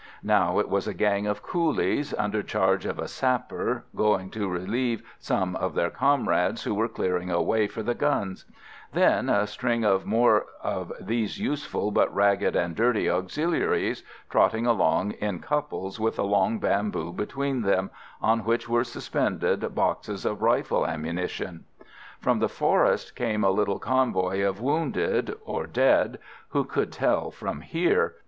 Now it was a gang of coolies, under charge of a sapper, going to relieve some of their comrades who were clearing a way for the guns: then a string of more of these useful but ragged and dirty auxiliaries, trotting along in couples with a long bamboo between them, on which were suspended boxes of rifle ammunition. From the forest came a little convoy of wounded, or dead who could tell from here?